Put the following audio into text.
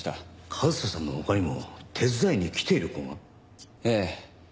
和沙さんの他にも手伝いに来ている子が？ええ。